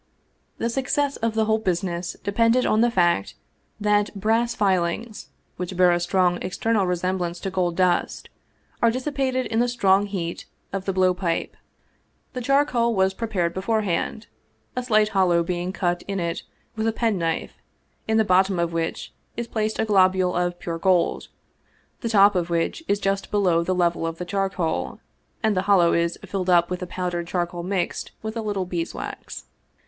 The success of the whole business depended on the fact that brass filings, which bear a strong external resemblance to gold dust, are dissipated in the strong heat of the blow pipe. The charcoal was prepared beforehand, a slight hollow being cut in it with a penknife, in the bottom of which is placed a globule of pure gold, the top of which is just below the level of the charcoal, and the hollow is filled up with powdered charcoal mixed with a little bees wax.